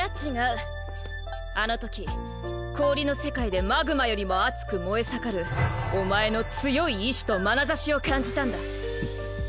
あの時氷の世界でマグマよりも熱く燃え盛るお前の強い意志とまなざしを感じたんだ。